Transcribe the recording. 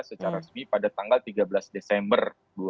secara resmi pada tanggal tiga belas desember dua ribu dua puluh